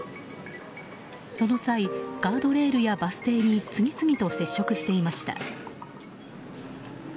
その際、ガードレールやバス停に次々と接触していました。